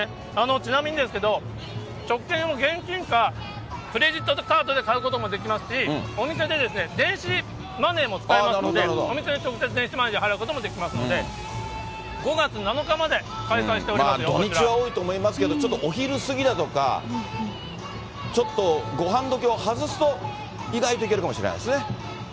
ちなみにですけれども、食券を現金かクレジットカードで買うこともできますし、お店で電子マネーも使えますので、お店で直接電子マネーで払うこともできますので、５月７日まで開土日は多いと思いますけど、ちょっとお昼過ぎだとか、ちょっとごはん時を外すと、意外といけるかもしれないですね。